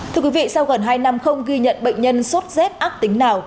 thưa quý vị sau gần hai năm không ghi nhận bệnh nhân sốt rét ác tính nào